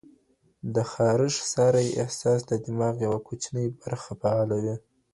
د خارښ ساري احساس د دماغ یوه کوچنۍ برخه فعالوي.